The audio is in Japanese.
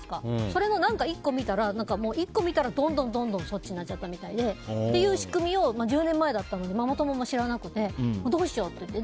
それの１個見たらどんどんそっちになっちゃったみたいで。という仕組みを１０年前だったのでママ友も知らなくてどうしようっていって。